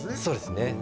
そうですね。